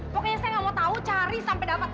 pokoknya saya gak mau tau cari sampe dapat